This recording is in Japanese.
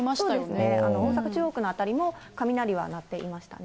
そうですね、大阪・中央区の辺りも、雷は鳴っていましたね。